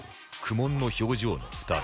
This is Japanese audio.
苦悶の表情の２人